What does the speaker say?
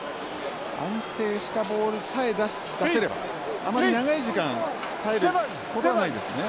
安定したボールさえ出せればあまり長い時間耐えることはないんですね。